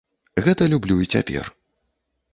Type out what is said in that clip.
Гэта люблю і цяпер.